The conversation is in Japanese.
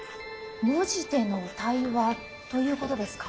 文字での対話ということですか？